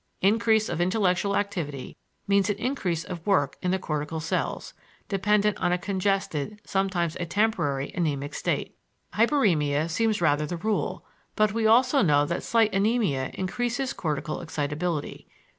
Increase of intellectual activity means an increase of work in the cortical cells, dependent on a congested, sometimes a temporarily anæmic state. Hyperæmia seems rather the rule, but we also know that slight anæmia increases cortical excitability.